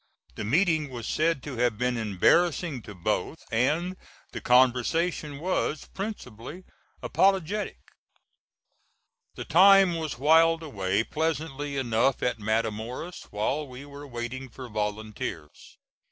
The meeting was said to have been embarrassing to both, and the conversation was principally apologetic. The time was whiled away pleasantly enough at Matamoras, while we were waiting for volunteers.